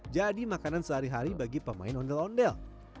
jadi makanan sehari hari bagi pemain ondel ondel